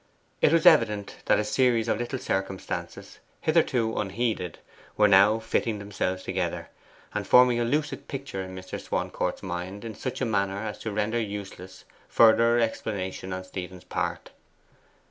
It was evident that a series of little circumstances, hitherto unheeded, were now fitting themselves together, and forming a lucid picture in Mr. Swancourt's mind in such a manner as to render useless further explanation on Stephen's part.